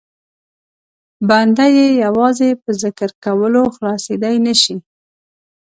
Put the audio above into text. بنده یې یوازې په ذکر کولو خلاصېدای نه شي.